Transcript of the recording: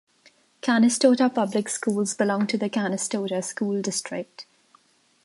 Canistota Public Schools belong to the Canistota School District.